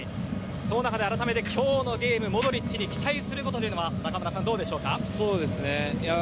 その中で改めて今日のゲームモドリッチに期待することは中村さん、どうでしょうか？